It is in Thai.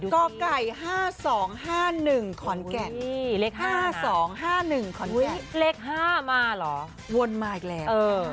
ก็ไก่๕๒๕๑ขอนแก่อุ้ยเล็ก๕มาหรอวนมาอีกแล้ว